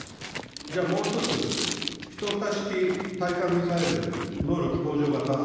じゃあ、もう一つ、１２式対艦ミサイル、能力向上型。